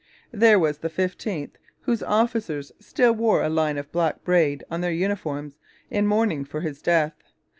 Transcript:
There was the 15th, whose officers still wear a line of black braid on their uniforms in mourning for his death.